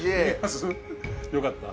よかった。